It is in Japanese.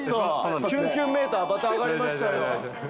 キュンキュンメーター、また上がりましたよ。